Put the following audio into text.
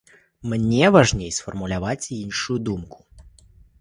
Мне важней сфармуляваць іншую думку.